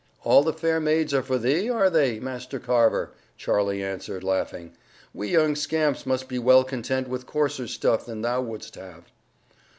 "All the fair maids are for thee, are they, Master Carver?" Charlie answered, laughing; "we young scamps must be well content with coarser stuff than thou wouldst have."